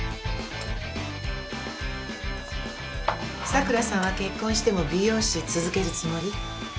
桜さんは結婚しても美容師続けるつもり？